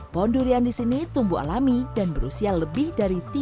pohon durian di sini tumbuh alami dan berusia lebih dari tiga puluh tahun